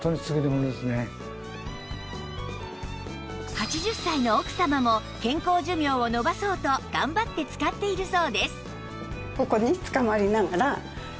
８０歳の奥様も健康寿命を延ばそうと頑張って使っているそうです